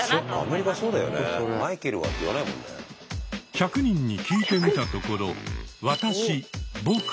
１００人に聞いてみたところ「わたし」「ぼく」